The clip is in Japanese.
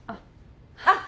あっ。